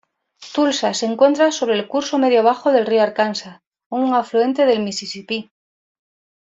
Tulsa se encuentra sobre el curso medio-bajo del río Arkansas, un afluente del Misisipi.